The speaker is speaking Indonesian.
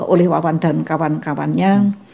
oleh wawan dan kawan kawannya